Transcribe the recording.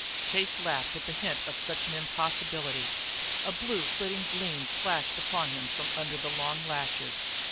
Chase laughed at the hint of such an impossibility. A blue flitting gleam flashed upon him from under the long lashes.